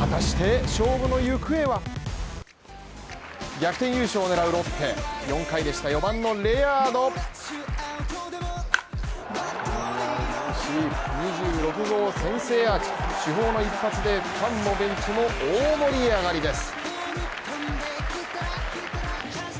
逆転優勝を狙うロッテ４回でした４番のレアード２６号先制アーチ主砲の一発でファンもベンチも大盛り上がりです。